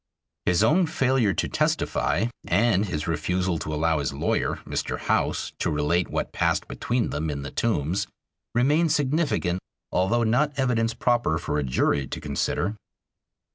His own failure to testify and his refusal to allow his lawyer, Mr. House, to relate what passed between them in the Tombs, remain significant, although not evidence proper for a jury to consider.